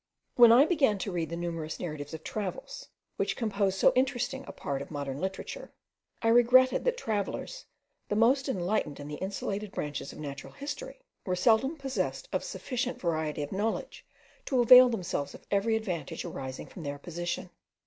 When I began to read the numerous narratives of travels, which compose so interesting a part of modern literature, I regretted that travellers, the most enlightened in the insulated branches of natural history, were seldom possessed of sufficient variety of knowledge to avail themselves of every advantage arising from their position.